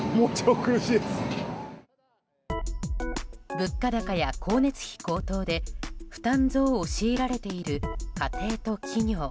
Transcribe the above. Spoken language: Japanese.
物価高や光熱費高騰で負担増を強いられている家庭と企業。